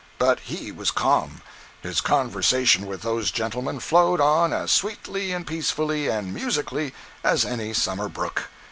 But he was calm. His conversation with those gentlemen flowed on as sweetly and peacefully and musically as any summer brook.